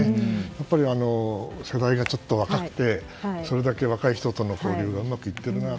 やっぱり世代がちょっと若くてそれだけ若い人との交流がうまくいっているなと。